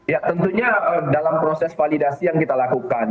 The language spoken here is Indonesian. ya tentunya dalam proses validasi yang kita lakukan